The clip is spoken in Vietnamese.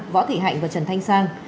võ thị hạnh và trần thanh sang